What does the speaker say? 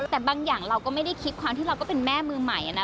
แต่บางอย่างเราก็ไม่ได้คิดความที่เราก็เป็นแม่มือใหม่นะ